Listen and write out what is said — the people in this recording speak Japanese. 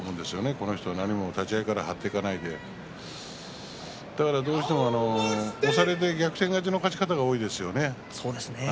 この人は。何も立ち合いから張っていかないでだからどうしても押されて逆転勝ちの勝ち方が多いですよね。